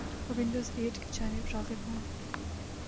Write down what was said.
اور Windows eight کی جانب راغب ہوں ۔